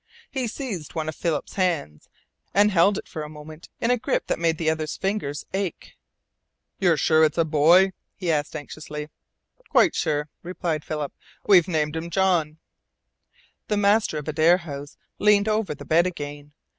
He seized one of Philip's hands and held it for a moment in a grip that made the other's fingers ache. "You're sure it's a boy?" he asked anxiously. "Quite sure," replied Philip. "We've named him John." The master of the Adare House leaned over the bed again.